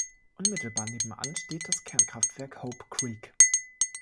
Unmittelbar nebenan steht das Kernkraftwerk Hope Creek.